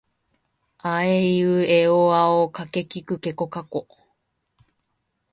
あえいうえおあおかけきくけこかこ